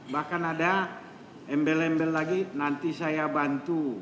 bahkan ada embel embel lagi nanti saya bantu